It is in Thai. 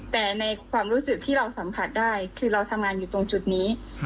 แต่ในความรู้สึกที่เราสัมผัสได้คือเราทำงานอยู่ตรงจุดนี้